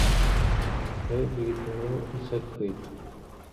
ݜے بِگیۡ دھؤں اڅھک ہُوئ تھُو۔